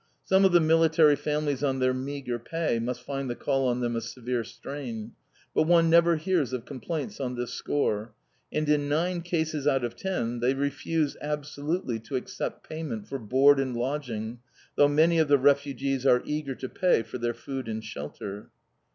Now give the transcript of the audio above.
Some of the military families on their meagre pay must find the call on them a severe strain, but one never hears of complaints on this score, and in nine cases out of ten they refuse absolutely to accept payment for board and lodging, though many of the refugees are eager to pay for their food and shelter.